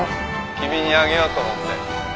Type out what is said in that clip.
君にあげようと思って。